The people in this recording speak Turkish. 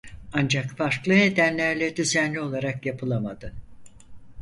Ancak farklı nedenlerle düzenli olarak yapılamadı.